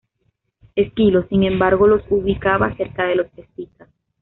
Esquilo, sin embargo, los ubicaba cerca de los escitas.